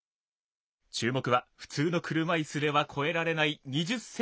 注目はふつうの車いすでは越えられない２０ｃｍの段差。